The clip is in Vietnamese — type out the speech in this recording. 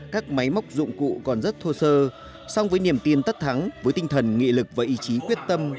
các máy móc dụng cụ còn rất thô sơ song với niềm tin tất thắng với tinh thần nghị lực và ý chí quyết tâm